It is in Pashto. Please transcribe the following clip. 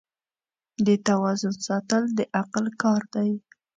د توازن ساتل د عقل کار دی.